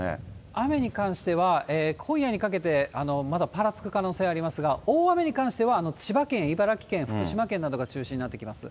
雨に関しては、今夜にかけてまだぱらつく可能性ありますが、大雨に関しては千葉県、茨城県、福島県が中心になってきます。